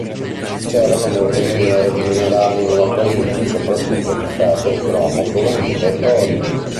C'erano molte miniere di minerali nella provincia, soprattutto di ferro, cromo, dolomite e torio.